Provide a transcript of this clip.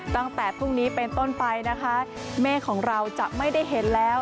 ตั้งแต่พรุ่งนี้เป็นต้นไปนะคะเมฆของเราจะไม่ได้เห็นแล้ว